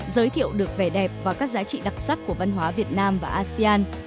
giới thiệu được vẻ đẹp và các giá trị đặc sắc của văn hóa việt nam và asean